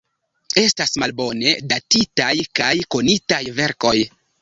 Estas malbone datitaj kaj konitaj verkoj.